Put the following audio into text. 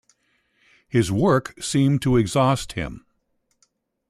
His work seemed to exhaust him.